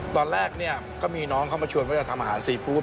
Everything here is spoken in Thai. ตอนแรกนี่เค้ามีน้องเค้ามาชวนเขามาทำอาหารซีฟู้ด